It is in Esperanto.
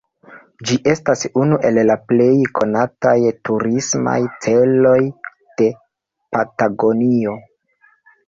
Ĝi estas unu el la plej konataj turismaj celoj de Patagonio.